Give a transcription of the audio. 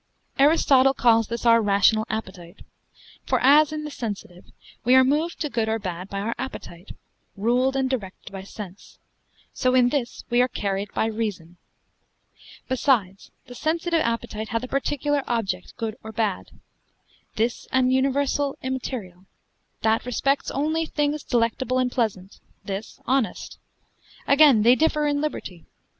Aristotle calls this our rational appetite; for as, in the sensitive, we are moved to good or bad by our appetite, ruled and directed by sense; so in this we are carried by reason. Besides, the sensitive appetite hath a particular object, good or bad; this an universal, immaterial: that respects only things delectable and pleasant; this honest. Again, they differ in liberty.